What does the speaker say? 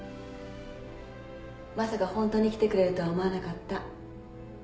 まさかホントに来てくれるとは思わなかった。